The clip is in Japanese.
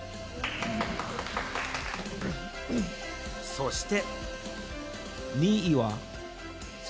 そして。